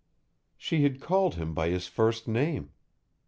She had called him by his first name.